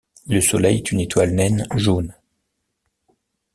Le Soleil est une étoile naine jaune.